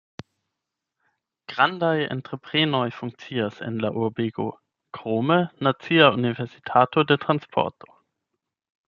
Grandaj entreprenoj funkcias en la urbego, krome Nacia Universitato de Transporto.